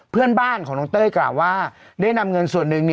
เพื่อนบ้านของน้องเต้ยกล่าวว่าได้นำเงินส่วนหนึ่ง